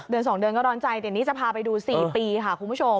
เดือนสองเดือนก็ร้อนใจแต่นี่จะพาไปดูสี่ปีค่ะคุณผู้ชม